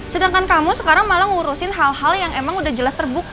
sedangkan kamu sekarang malah ngurusin hal hal yang emang udah jelas terbuka